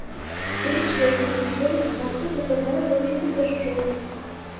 Тры чвэрці атмасферных ападкаў выпадае ў выглядзе дажджоў.